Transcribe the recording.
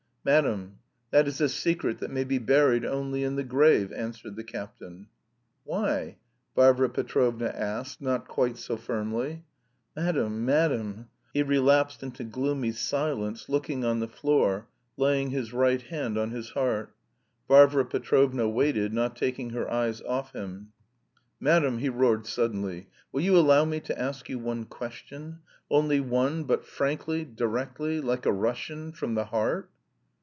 "Madam, that is a secret that may be buried only in the grave!" answered the captain. "Why?" Varvara Petrovna asked, not quite so firmly. "Madam, madam..." He relapsed into gloomy silence, looking on the floor, laying his right hand on his heart. Varvara Petrovna waited, not taking her eyes off him. "Madam!" he roared suddenly. "Will you allow me to ask you one question? Only one, but frankly, directly, like a Russian, from the heart?"